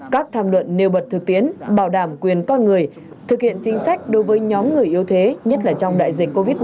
các tham luận nêu bật thực tiến bảo đảm quyền con người thực hiện chính sách đối với nhóm người yếu thế nhất là trong đại dịch covid một mươi chín